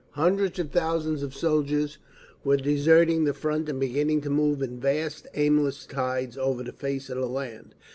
Hundreds of thousands of soldiers were deserting the front and beginning to move in vast, aimless tides over the face of the land.